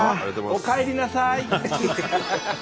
おかえりなさい！